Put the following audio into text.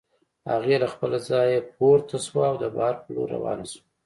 هغې له خپله ځايه پورته شوه او د بهر په لور روانه شوه.